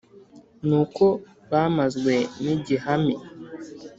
ni uko bamazwe n’igihami